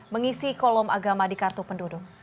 mengisi kolom agama di kartu penduduk